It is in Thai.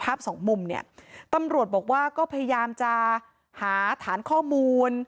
สองมุมเนี่ยตำรวจบอกว่าก็พยายามจะหาฐานข้อมูล